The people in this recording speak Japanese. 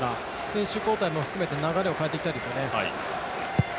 選手交代も含めて流れを変えていきたいですね。